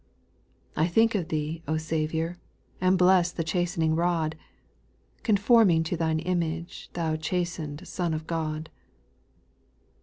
2. I think of Thee, O Saviour, And bless the chastening rod. Conforming to Thine image, Thou chasten'd Son of God.